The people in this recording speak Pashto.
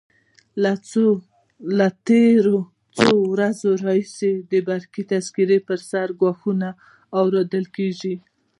له تېرو څو ورځو راهیسې د برقي تذکرو پر سر ګواښونه اورېدل کېږي.